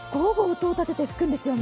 音を立てて吹くんですよね。